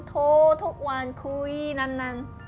โทรทุกวันคุยนั่น